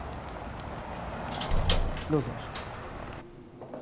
どうぞ。